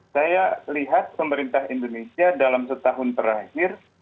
saya lihat pemerintah indonesia dalam setahun terakhir